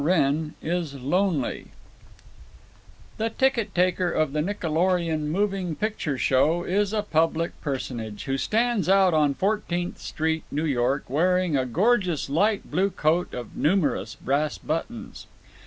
WRENN IS LONELY The ticket taker of the Nickelorion Moving Picture Show is a public personage, who stands out on Fourteenth Street, New York, wearing a gorgeous light blue coat of numerous brass buttons.